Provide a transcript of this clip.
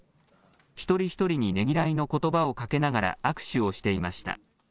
一人一人にねぎらいのことばをかけながら握手をしていました。